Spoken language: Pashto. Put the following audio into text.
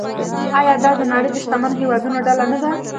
آیا دا د نړۍ د شتمنو هیوادونو ډله نه ده؟